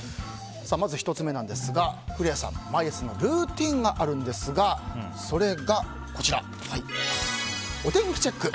まず１つ目ですが、古谷さん毎朝のルーティンがあるんですがそれが、お天気チェック。